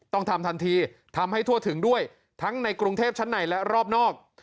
ต้องทำทันทีทำให้ทั่วถึงด้วยทั้งในกรุงเทพชั้นในและรอบนอก